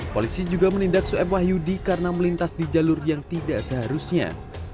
polisi juga menindak soeb wahyudi karena melintas di jalur yang tidak seharusnya